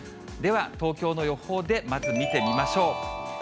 では東京の予報で、まず見てみましょう。